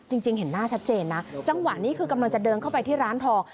จริงเห็นหน้าชัดเจนนะจังหวะนี้คือกำลังจะเดินเข้าไปที่ร้านทอง